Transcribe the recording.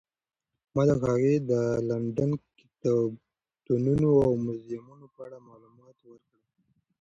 ما هغې ته د لندن د کتابتونونو او موزیمونو په اړه معلومات ورکړل.